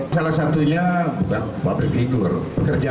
salah satunya bukan pake figur pekerjaan